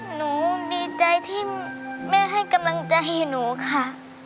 หนูดีใจที่แม่ให้กำลังใจให้หนูค่ะ